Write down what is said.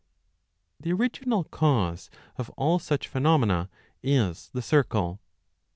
The original cause of all such phenomena is the circle.